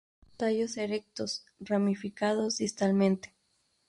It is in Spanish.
Tallos erectos, ramificados distalmente.